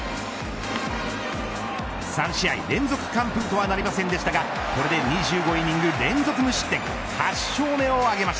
３試合連続完封とはなりませんでしたがこれで２５イニング連続無失点。